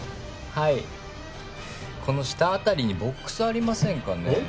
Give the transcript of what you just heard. はいこの下辺りにボックスありませんかね